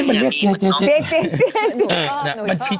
เอ้ยมันเรียกเจ๊